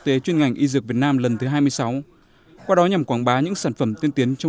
tế chuyên ngành y dược việt nam lần thứ hai mươi sáu qua đó nhằm quảng bá những sản phẩm tiên tiến trong